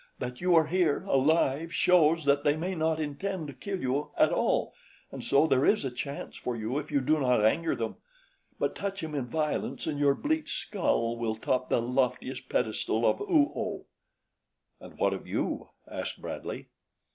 That you are here, alive, shows that they may not intend to kill you at all, and so there is a chance for you if you do not anger them; but touch him in violence and your bleached skull will top the loftiest pedestal of Oo oh." "And what of you?" asked Bradley.